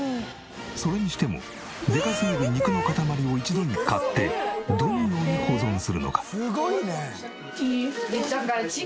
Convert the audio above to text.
それにしてもでかすぎる肉の塊を一度に買ってどのように保存するのか？